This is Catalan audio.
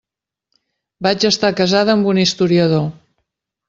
Vaig estar casada amb un historiador.